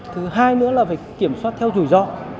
thứ hai nữa là phải kiểm soát theo rủi ro